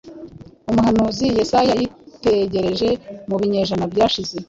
Umuhanuzi Yesaya, yitegereje mu binyejana byashize